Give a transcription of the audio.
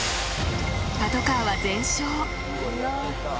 ［パトカーは全焼］